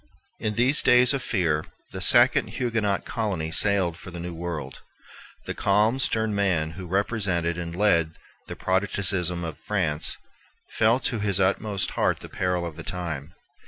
In these days of fear, a second Huguenot colony sailed for the New World. The calm, stern man who represented and led the Protestantism of France felt to his inmost heart the peril of the time.